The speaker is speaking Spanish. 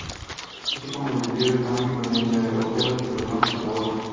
Así como el deterioro económico ante el agujero de los bancos y la bolsa.